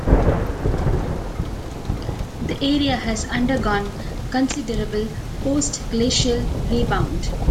The area has undergone considerable Post-glacial rebound.